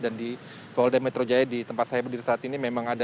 dan di polres metro jaya di tempat saya berdiri saat ini memang ada